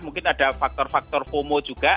mungkin ada faktor faktor fomo juga